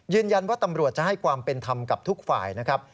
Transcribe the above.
ตำรวจจะให้ความเป็นธรรมกับทุกฝ่ายนะครับ